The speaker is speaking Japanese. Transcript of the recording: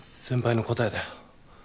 先輩の答えだよ。